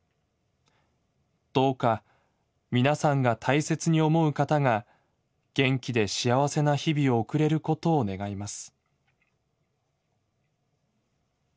どうか皆さんが大切に思う方が元気で幸せな日々を送れることを願います」。